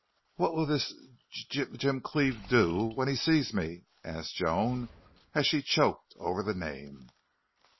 "What will this J jim C cleve do when he sees me?" asked Joan, and she choked over the name.